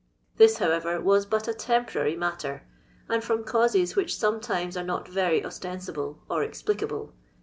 This, however, was but a temporary matter, and from causes which sometimes are not very ostensible or explicable.